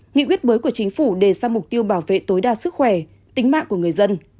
nghị quyết mới của chính phủ đề ra mục tiêu bảo vệ tối đa sức khỏe tính mạng của người dân